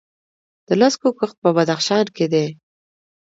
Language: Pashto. د نسکو کښت په بدخشان کې دی.